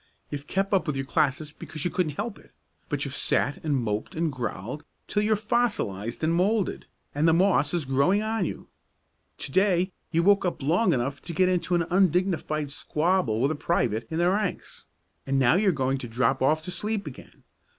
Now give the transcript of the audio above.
You've kept up with your classes because you couldn't help it; but you've sat and moped and growled till you're fossilized and moulded, and the moss is growing on you. To day you woke up long enough to get into an undignified squabble with a private in the ranks, and now you're going to drop off to sleep again.